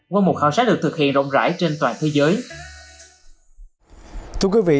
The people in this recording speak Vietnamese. qua một khảo sát được thực hiện rộng rãi trên toàn thế giới